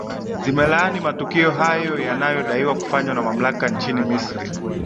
zimelaani matukio hayo yanayo daiwa kufanywa na mamlaka nchini misri